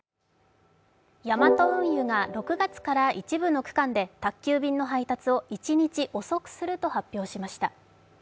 ヤマト運輸が６月から一部の区間で宅急便の配達を一日遅くすると発表しました。